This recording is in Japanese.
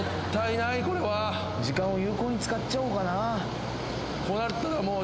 「時間を有効に使っちゃおうかな」